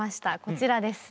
こちらです。